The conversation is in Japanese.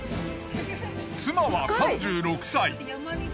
妻は３６歳。